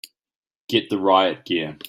Get the riot gear!